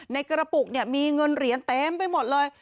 ในกระปุกมีเงินเหรียญเต็มไปหมดเลย